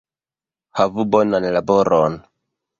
Havu bonan laboron